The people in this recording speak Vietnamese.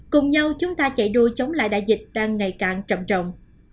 cùng nhau chúng ta chạy đua chống lại đại dịch đang ngày càng trộm trộm